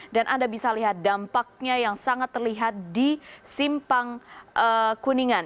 dan anda bisa lihat dampaknya yang sangat terlihat di simpang kuningan